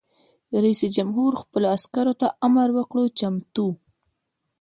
رئیس جمهور خپلو عسکرو ته امر وکړ؛ چمتو!